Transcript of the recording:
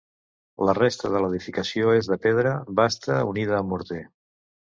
La resta de l'edificació és de pedra basta unida amb morter.